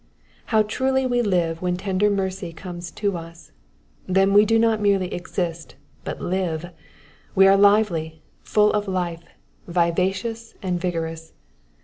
How truly we live when tender mercy comes to us. Then we do not merely exist, but live ; we are lively, full of life, vivacious, and vigorous.